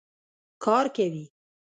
کار کوي